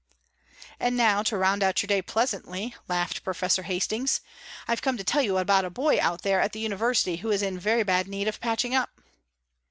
"And now, to round out your day pleasantly," laughed Professor Hastings, "I've come to tell you about a boy out there at the university who is in very bad need of patching up."